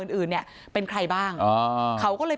พร้อมด้วยผลตำรวจเอกนรัฐสวิตนันอธิบดีกรมราชทัน